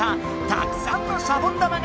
たくさんのシャボン玉が空にまった！